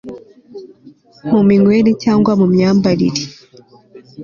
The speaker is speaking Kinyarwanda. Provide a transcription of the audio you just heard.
mu minywere cyangwa mu myambarire